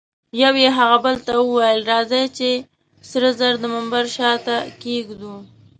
یوه یې هغه بل ته وویل: راځئ چي سره زر د منبر شاته کښېږدو.